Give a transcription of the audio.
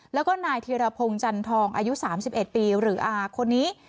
แล้วก็นายเทียรพงษ์จันทองอายุสามสิบเอ็ดปีหรืออาคนนี้